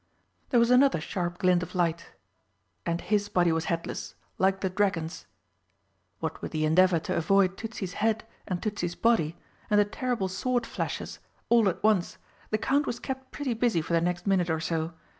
There was another sharp glint of light and his body was headless, like the dragon's. What with the endeavour to avoid Tützi's head, and Tützi's body, and the terrible sword flashes, all at once, the Count was kept pretty busy for the next minute or so.